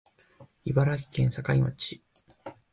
茨城県境町